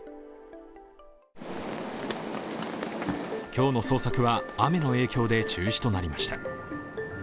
今日の捜索は雨の影響で中止となりました。